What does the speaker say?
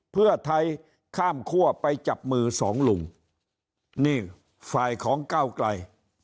เพื่อไทยข้ามคั่วไปจับมือสองลุงนี่ฝ่ายของก้าวไกล